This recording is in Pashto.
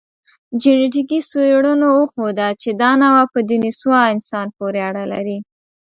جنټیکي څېړنو وښوده، چې دا نوعه په دنیسووا انسان پورې اړه لري.